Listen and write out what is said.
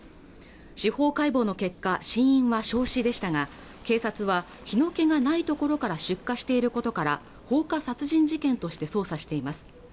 司法解剖の結果死因は焼死でしたが警察は火の気がないところから出火していることから放火殺人事件として捜査しています